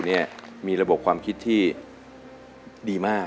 ท่านครูมีระบบความคิดดีมาก